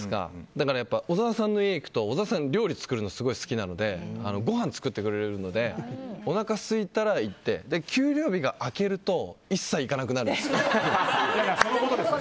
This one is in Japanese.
だから小澤さんの家に行くと小澤さんは料理を作るのがすごく好きなのでごはん作ってくれるのでおなかがすいたら行って給料日が明けると一切行かなくなるんです。